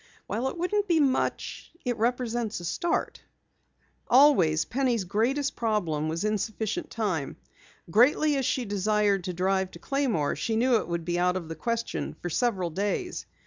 "While it wouldn't be much, it represents a start." Always, Penny's greatest problem was insufficient time. Greatly as she desired to drive to Claymore, she knew it would be out of the question for several days.